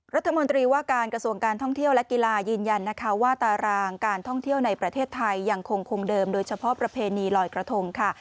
รัฐมนตรีว่าการกระทรวงการท่องเที่ยวและกีฬายืนยันนะคะว่าตารางการท่องเที่ยวในประเทศไทยยังคงคงเดิมโดยเฉพาะประเพณีลอยกระทงค่ะ